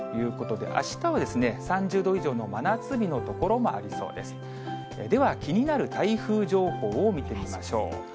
では、気になる台風情報を見てみましょう。